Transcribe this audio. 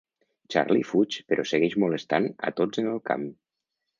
Charlie fuig però segueix molestant a tots en el camp.